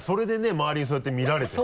周りにそうやって見られてさ。